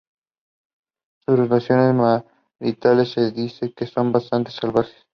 Sus relaciones maritales se dice que son bastante salvajes.